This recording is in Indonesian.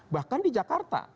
bahkan di jakarta